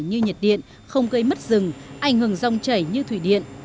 nhiệt điện không gây mất rừng ảnh hưởng rong chảy như thủy điện